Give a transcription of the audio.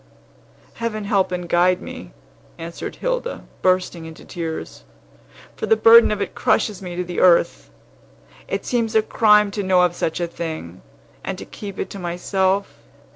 "Heaven help and guide me," answered Hilda, bursting into tears; "for the burden of it crushes me to the earth! It seems a crime to know of such a thing, and to keep it to myself.